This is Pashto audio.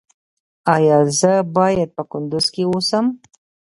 ایا زه باید په کندز کې اوسم؟